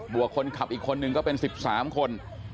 วกคนขับอีกคนนึงก็เป็น๑๓คน